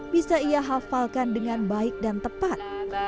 bisa ia hafalkan dengan baik dan tepat